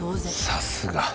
さすが。